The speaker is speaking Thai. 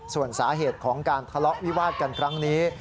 ส่วนสาเหตุของการทะเลาะวิวาดกันครั้งนี้